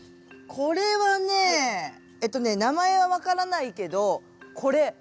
これはねえっとね名前は分からないけどこれ。